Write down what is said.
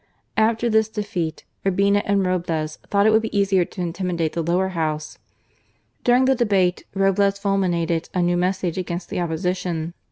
After this defeat, Urbina and Roblez thought it would be easier to intimidate the Lower House. During the debate, Roblez fulminated a new message against the Opposition.